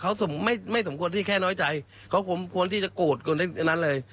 เขาไม่สมควรที่แค่น้อยใจเขาสมควรที่จะโกรธคนอันนั้นเลย